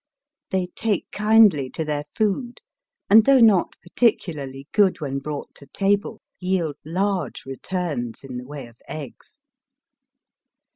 They take kindly to their food, and though not particularly good when brought to table, yield large returns in the way of eggs.